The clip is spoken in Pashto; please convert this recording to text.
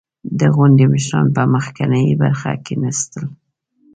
• د غونډې مشران په مخکینۍ برخه کښېناستل.